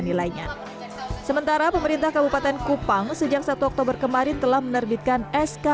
nilainya sementara pemerintah kabupaten kupang sejak satu oktober kemarin telah menerbitkan sk